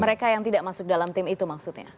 mereka yang tidak masuk dalam tim itu maksudnya